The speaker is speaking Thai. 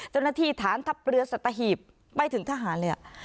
เจ้าหน้าที่ฐานทัพเรือสัตหีบไปถึงทหารเลย